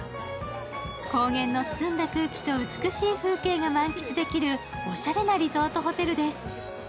高原の澄んだ空気と美しい空気が満喫できるおしゃれなリゾートホテルです。